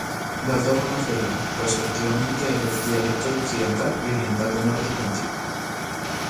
Las dos ramas derivan, respectivamente, de los dialectos occidental y oriental del Nórdico antiguo.